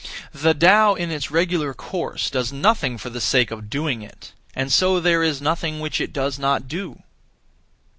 The Tao in its regular course does nothing (for the sake of doing it), and so there is nothing which it does not do.